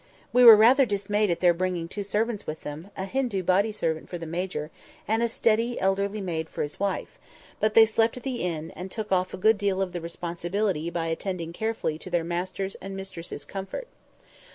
We were rather dismayed at their bringing two servants with them, a Hindoo body servant for the Major, and a steady elderly maid for his wife; but they slept at the inn, and took off a good deal of the responsibility by attending carefully to their master's and mistress's comfort.